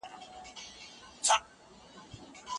هغه په پښتو ژبي خپل نظر وايي.